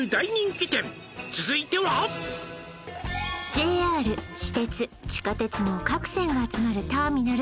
ＪＲ私鉄地下鉄の各線が集まるターミナル